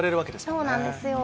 そうなんですよ。